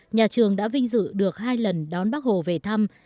nhà trường đã vinh dự được hai lần đón bác hồ về thăm